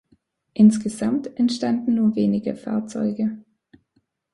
Insgesamt entstanden nur wenige Fahrzeuge.